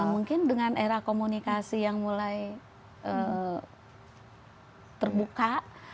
mungkin dengan era komunikasi yang mulai terbuka